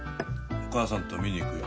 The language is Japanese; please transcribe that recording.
お母さんと見に行くよ。